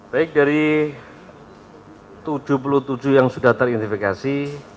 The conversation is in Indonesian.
baik dari tujuh puluh tujuh yang sudah teridentifikasi